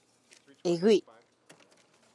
えぐい